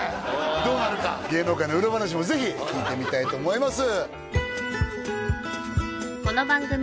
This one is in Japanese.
どうなるか芸能界の裏話もぜひ聞いてみたいと思います